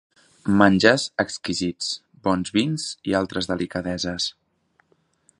Menjars exquisits, bons vins i altres delicadeses.